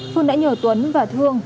phương đã nhờ tuấn và thương